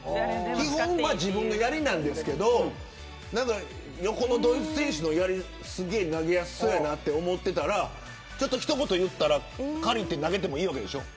基本は自分のやりなんですけど横のドイツ選手のやりがすごい投げやすそうやなと思っていたらひと言、言ったら借りて投げてもいいわけでしょ。